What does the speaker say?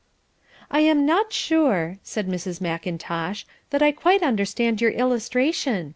"I am not sure," said Miss McIntosh, "that I quite understand your illustration.